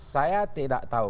saya tidak tahu